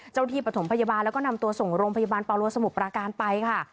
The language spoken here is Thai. เจ้าที่ปฐมพยาบาลแล้วก็นำตัวส่งลงพยาบาลปาลัวสมุพราการไปค่ะ